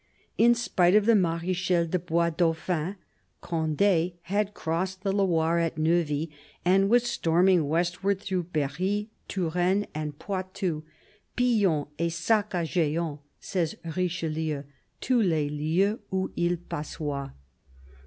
In spite of the Marechal de Bois Dauphin, Conde had crossed the Loire at Neuvy and was storming westward through Berry, Touraine and Poitou, " pillant et saccageant," says Richelieu, " tous les lieux oil il passoit."